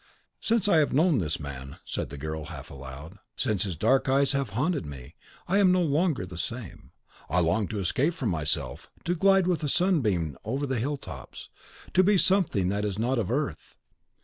"Since I have known this man," said the girl, half aloud, "since his dark eyes have haunted me, I am no longer the same. I long to escape from myself, to glide with the sunbeam over the hill tops; to become something that is not of earth.